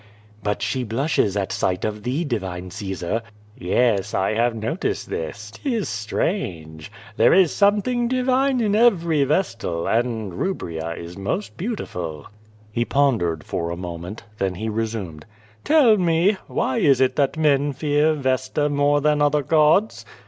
"But she blushes at sight of thee, divine Caesar." "Yes, I have noticed this. 'Tis strange. There is some thing divine in every vestal, and Kubria is most beautiful." He pondered for a moment. Then he resumed: "Tell mo, why is it that men fear Vesta more than other gods.